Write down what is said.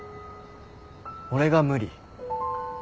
俺が無理。